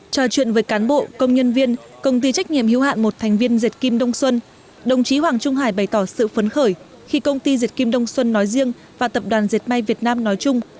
trò chuyện với cán bộ công nhân viên công ty trách nhiệm hiếu hạn một thành viên dệt kim đông xuân đồng chí hoàng trung hải bày tỏ sự phấn khởi khi công ty diệt kim đông xuân nói riêng và tập đoàn diệt may việt nam nói chung